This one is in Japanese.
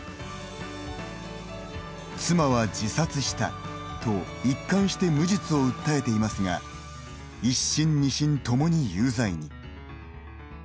妻は自殺したと一貫して無実を訴えていますが１審２審ともに有罪に。